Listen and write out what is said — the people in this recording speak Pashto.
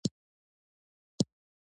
پر قبرونو مو خدای ایښی برکت دی